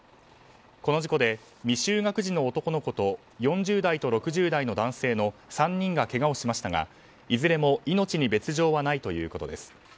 この事故で未就学児の男の子と４０代と６０代の男性の３人がけがをしましたがいずれも命に別条はないということです。